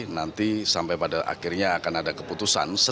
nanti sampai pada akhirnya akan ada keputusan